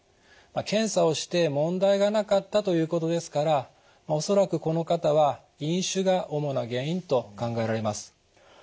検査をして問題がなかったということですから恐らくこの方は飲酒が主な原因と考えられます。